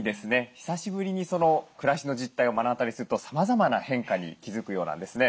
久しぶりに暮らしの実態を目の当たりにするとさまざまな変化に気付くようなんですね。